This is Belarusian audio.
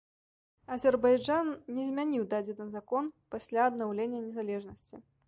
Азербайджан не змяніў дадзены закон пасля аднаўлення незалежнасці.